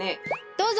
どうぞ！